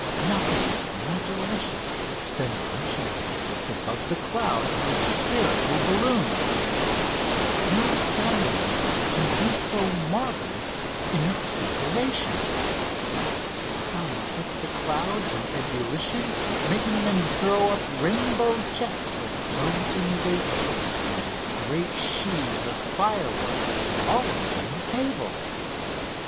Nothing is more delicious than lunching like this above the clouds in a spherical balloon. No dining room can be so marvellous in its decoration. The sun sets the clouds in ebullition, making them throw up rainbow jets of frozen vapour like great sheaves of fireworks all around the table.